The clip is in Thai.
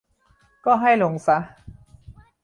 ก็ให้ลงซะ